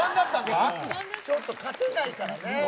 ちょっと勝てないからね。